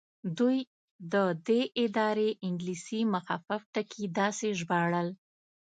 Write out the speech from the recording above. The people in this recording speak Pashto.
دوی د دې ادارې انګلیسي مخفف ټکي داسې ژباړل.